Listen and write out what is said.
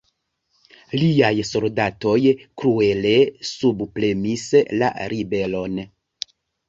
Liaj soldatoj kruele subpremis la ribelon.